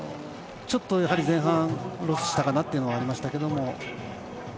ちょっと前半ロスしたかなというのはありましたけど。